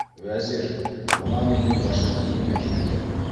— Вәзир, бына минең башыма нимә килде.